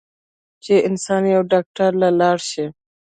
چې انسان يو ډاکټر له لاړشي